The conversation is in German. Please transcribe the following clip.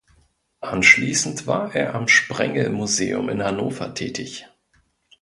Anschließend war er am Sprengel Museum in Hannover tätig.